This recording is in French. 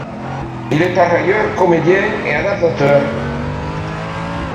Il est par ailleurs comédien et adaptateur.